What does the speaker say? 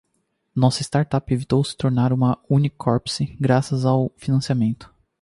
Nossa startup evitou se tornar um 'Unicorpse' graças ao financiamento.